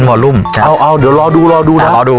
เดี๋ยวลองดู